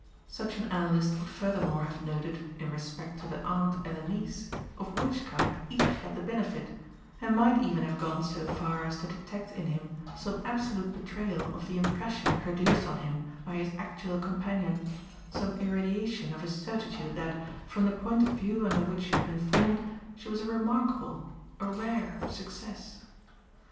Such an analyst would furthermore have noted, in respect to the aunt and the niece, of which kind each had the benefit, and might even have gone so far as to detect in him some absolute betrayal of the impression produced on him by his actual companion, some irradiation of his certitude that, from the point of view under which she had been formed, she was a remarkable, a rare success.